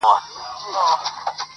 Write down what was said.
هغه خو ټوله ژوند تاته درکړی وو په مينه.